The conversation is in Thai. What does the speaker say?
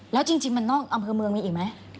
แล้วจริงมันนอกอำเภอเมืองมีอีกไหม